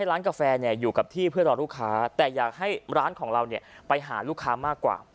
ร้านกาแฟอยู่กับที่เพื่อรอลูกค้าแต่อยากให้ร้านของเราไปหาลูกค้ามากกว่า